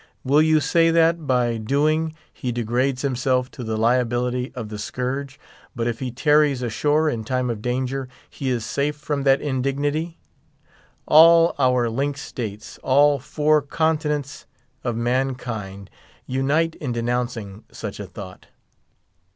Will you say that, by so doing, he degrades himself to the liability of the scourge, but if he tarries ashore in time of danger, he is safe from that indignity? All our linked states, all four continents of mankind, unite in denouncing such a thought.